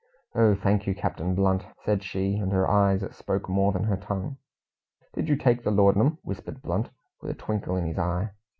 "Oh, thank you, Captain Blunt," said she, and her eyes spoke more than her tongue. "Did you take the laudanum?" whispered Blunt, with a twinkle in his eye.